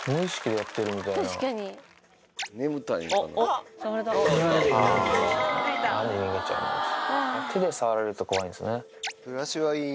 やっぱり手で触られると怖いんですね。